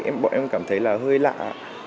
em bọn em cảm thấy là hơi lạ ạ